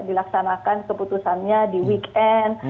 dilaksanakan keputusannya di weekend